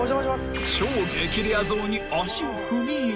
［超激レアゾーンに足を踏み入れ］